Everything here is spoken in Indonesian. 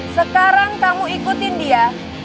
sekarang kamu ikutin dia